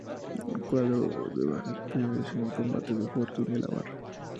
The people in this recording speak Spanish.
Cuadro de bajas españolas en el combate del fortín de La Barra